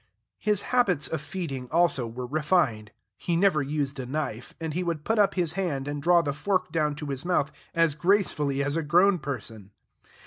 His habits of feeding, also, were refined; he never used a knife, and he would put up his hand and draw the fork down to his mouth as gracefully as a grown person.